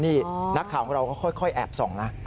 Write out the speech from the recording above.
นี่นักข่าวของเราก็ค่อยแอบส่องนะ